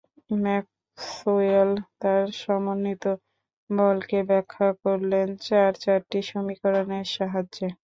Maxwell তাঁর সমন্বিত বলকে ব্যাখ্যা করলেন চার–চারটি সমীকরণের সাহায্যে।